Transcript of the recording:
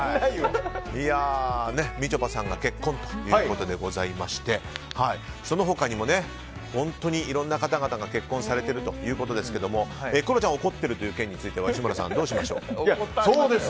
みちょぱさんが結婚ということでございましてその他にも本当にいろんな方々が結婚されているということですがクロちゃんが怒っている件については吉村さん